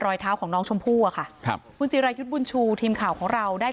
รอยเท้าของน้องชมพู่ลาก่าวิจิรัยยุธบุญชูทีมข่าวของเราได้